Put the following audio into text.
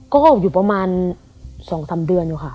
ก็อยู่ประมาณ๒๓เดือนอยู่ค่ะ